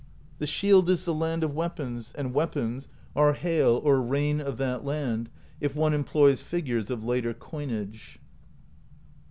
"The shield is the Land of Weapons, and weapons are Hail or Rain of that land, if one employs figures of later coinage.